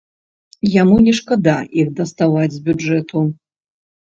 Яму не шкада іх даставаць з бюджэту.